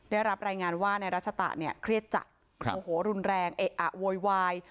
ได้รับรายงานว่าในรัชตะเนี่ยเครียดจัดโมโหรุนแรงเอะอะโวยวาย